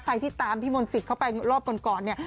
ที่ตามพี่มนต์สิทธิ์เข้าไปรอบก่อนเนี่ย